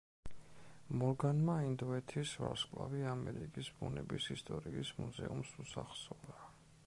მორგანმა ინდოეთის ვარსკვლავი ამერიკის ბუნების ისტორიის მუზეუმს უსახსოვრა.